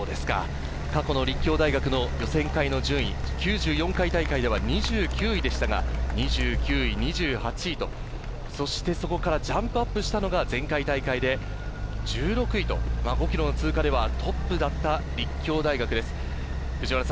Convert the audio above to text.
過去の立教大学の予選会の順位、９４回大会では２９位でしたが、２９位、２８位と、そしてそこからジャンプアップしたのが前回大会で、１６位と５ｋｍの通過ではトップだった立教大学です。